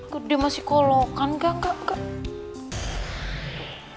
gede masih kolokan gak gak gak